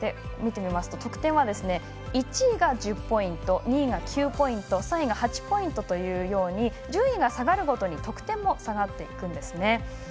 見てみますと、得点は１位が１０ポイント２位が９ポイント３位が８ポイントというように順位が下がるごとに得点も下がっていくんですね。